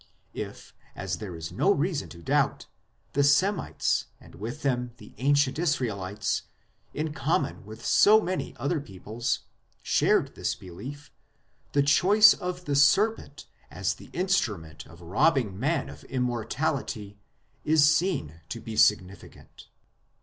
If, as there is no reason to doubt, the Semites and with them the ancient Israelites, in common with so many other peoples, shared this belief, the choice of the serpent as the instrument of robbing man of immortality is seen to be significant.